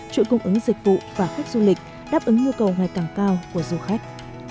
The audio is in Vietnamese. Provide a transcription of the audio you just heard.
trụ cung ứng dịch vụ và khách du lịch đáp ứng nhu cầu ngày càng cao của du khách